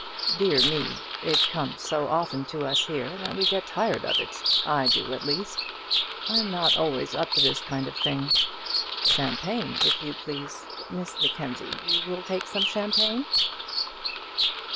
"Dear me. It comes so often to us here that we get tired of it. I do, at least. I'm not always up to this kind of thing. Champagne if you please. Miss Mackenzie, you will take some champagne?"